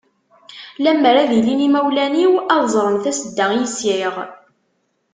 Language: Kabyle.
Lemmer ad ilin yimawlan-iw, ad ẓren tasedda i yesɛiɣ.